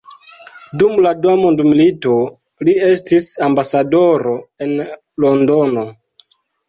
Dum la dua mondmilito, li estis ambasadoro en Londono.